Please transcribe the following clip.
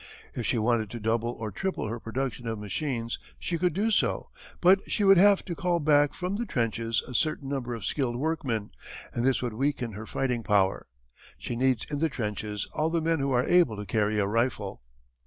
If she wanted to double or triple her production of machines she could do so, but she would have to call back from the trenches a certain number of skilled workmen, and this would weaken her fighting power. She needs in the trenches all the men who are able to carry a rifle.